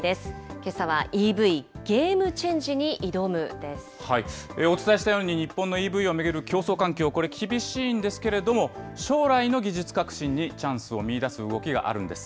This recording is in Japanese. けさは、ＥＶ、お伝えしたように、日本のＥＶを巡る競争環境、これ、厳しいんですけれども、将来の技術革新にチャンスを見いだす動きがあるんです。